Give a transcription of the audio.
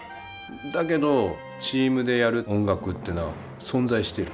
だけどチームでやる音楽ってのは存在してる。